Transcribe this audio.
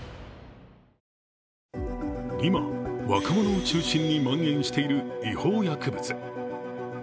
今、若者を中心にまん延している違法薬物。